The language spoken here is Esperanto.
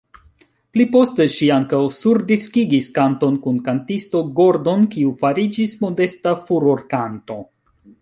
Pliposte ŝi ankaŭ surdiskigis kanton kun kantisto Gordon kiu fariĝis modesta furorkanto.